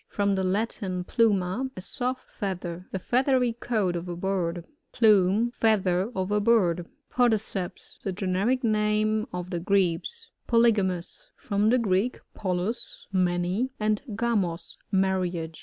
— From the Latin, pluma, a soft feather. The feathery coat of a bird. Plumb. — Feather of a bird. PoDicBps. — The Generic name of the Grebes. PoLYOAMoas — From the Greek, poilus^ many, and gamos^ marriage.